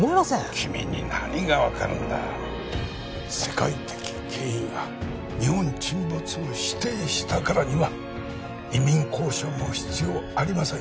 君に何が分かるんだ世界的権威が日本沈没を否定したからには移民交渉も必要ありません